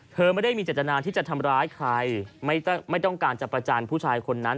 ไม่ได้มีเจตนาที่จะทำร้ายใครไม่ต้องการจะประจานผู้ชายคนนั้น